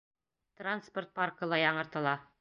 Транспорт паркы ла яңыртыла.